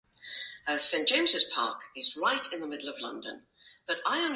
There were few private universities in Ghana before the beginning of the new millennium.